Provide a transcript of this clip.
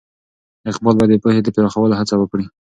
اقبال باید د پوهې د پراخولو هڅه وکړي.